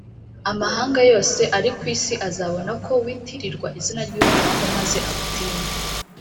amahanga yose ari ku isi azabona yuko witirirwa izina ry’uhoraho, maze agutinye.